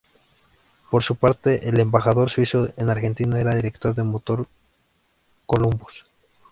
Por su parte, el embajador suizo en Argentina era director de Motor Columbus.